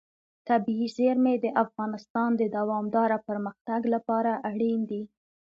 طبیعي زیرمې د افغانستان د دوامداره پرمختګ لپاره اړین دي.